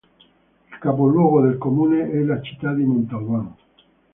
Il capoluogo del comune è la città di Montalbán.